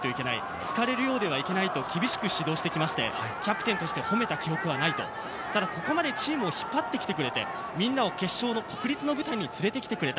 好かれるようではいけないと厳しく指導してきまして、キャプテンとして褒めた記憶はない、ここまでチームを引っ張ってきてくれて、決勝の舞台に連れて来てくれた。